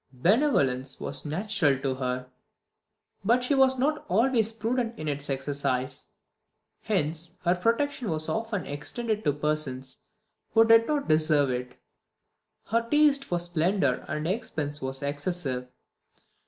Benevolence was natural to her, but she was not always prudent in its exercise. Hence her protection was often extended to persons who did not deserve it. Her taste for splendour and expense was excessive.